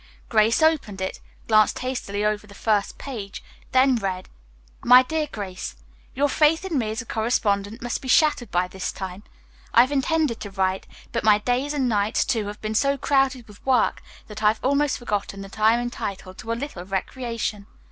Grace opened it, glanced hastily over the first page, then read: "MY DEAR GRACE: "Your faith in me as a correspondent must be shattered by this time. I've intended to write, but my days and nights, too, have been so crowded with work that I have almost forgotten that I am entitled to a little recreation.